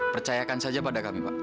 percayakan saja pada kami pak